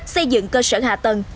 xây dựng cơ sở hạ tầng